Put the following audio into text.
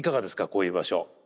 こういう場所。